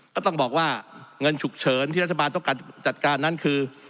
ก็ต้องบอกว่าเงินฉุกเฉินที่รัฐบาลต้องจัดการนั้นคือ